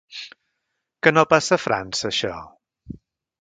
Que no passa a França, això?